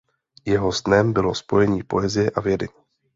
Jeho snem bylo spojení poezie a vědy.